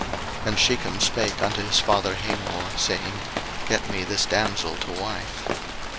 01:034:004 And Shechem spake unto his father Hamor, saying, Get me this damsel to wife.